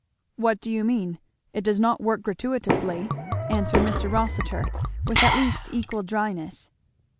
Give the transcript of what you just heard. "What do you mean? It does not work gratuitously," answered Mr. Rossitur, with at least equal dryness.